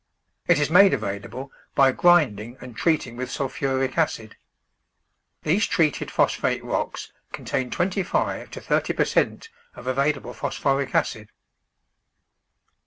It is made available by grinding and treating with sulphuric acid. These treated phosphate rocks contain twenty five to thirty jDer cent of available phosphoric acid.